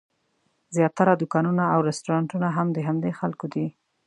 زیاتره دوکانونه او رسټورانټونه هم د همدې خلکو دي.